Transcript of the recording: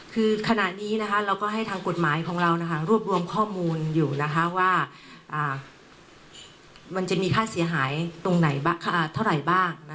คือขณะนี้เราก็ให้ทางกฎหมายของเรารวบรวมข้อมูลอยู่ว่ามันจะมีค่าเสียหายตรงไหนเท่าไหร่บ้าง